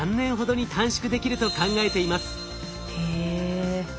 へえ。